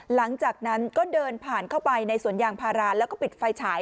หลังจากนั้นก็เดินผ่านเข้าไปในสวนยางพาราแล้วก็ปิดไฟฉาย